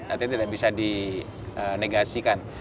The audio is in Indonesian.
artinya tidak bisa dinegasikan